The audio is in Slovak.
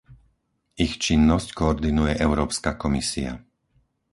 Ich činnosť koordinuje Európska komisia.